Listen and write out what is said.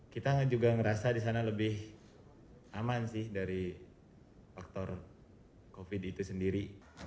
kita juga ngerasa di sana lebih aman sih dari faktor covid itu sendiri